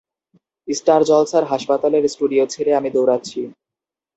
Star জলসার হাসপাতালের studio ছেড়ে আমি দৌড়াচ্ছি।